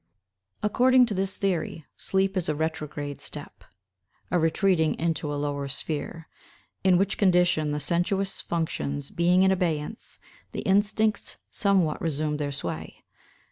According to this theory, sleep is a retrograde step—a retreating into a lower sphere; in which condition, the sensuous functions being in abeyance, the instincts somewhat resume their sway.